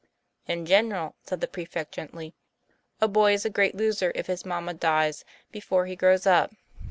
"In general," said the prefect quite gently, ;< a boy is a great loser if his mamma dies before he grows up.